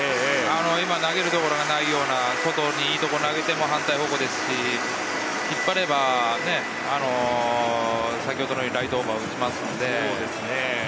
今投げるところがないような、外、いいところに投げても反対方向ですし、引っ張ればライトオーバーを打ちますので。